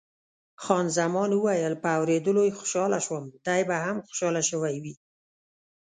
خان زمان وویل، په اورېدلو یې خوشاله شوم، دی به هم خوشاله شوی وي.